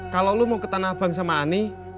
kalau lo mau ke tanah abang sama ani